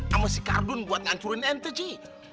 sama si kardun buat ngancurin ente ji